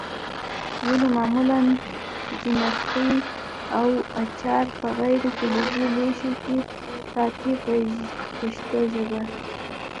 ولې معمولا چکني او اچار په غیر فلزي لوښو کې ساتي په پښتو ژبه.